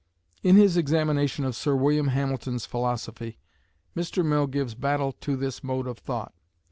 In his "Examination of Sir William Hamilton's Philosophy," Mr. Mill gives battle to this mode of thought.